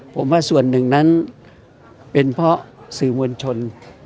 ผมว่าส่วนหนึ่งนั้นเป็นเพราะสื่อมวลชน